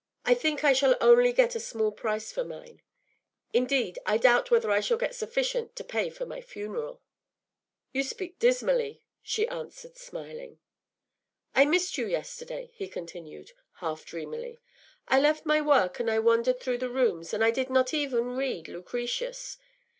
I think I shall only get a small price for mine; indeed, I doubt whether I shall get sufficient to pay for my funeral.” “You speak dismally,” she answered, smiling. “I missed you yesterday,” he continued, half dreamily. “I left my work, and I wandered through the rooms, and I did not even read Lucretius.